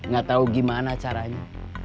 gak tau gimana caranya